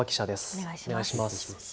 お願いします。